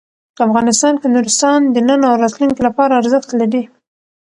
افغانستان کې نورستان د نن او راتلونکي لپاره ارزښت لري.